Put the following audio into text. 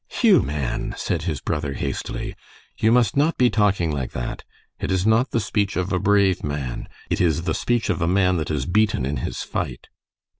"Hugh, man," said his brother, hastily, "you must not be talking like that. It is not the speech of a brave man. It is the speech of a man that is beaten in his fight."